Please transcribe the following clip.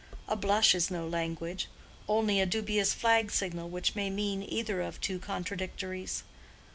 A blush is no language: only a dubious flag signal which may mean either of two contradictories.